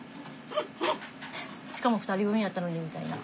しかも２人分やったのにみたいな。